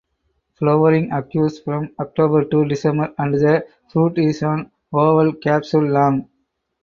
Flowering occurs from October to December and the fruit is an oval capsule long.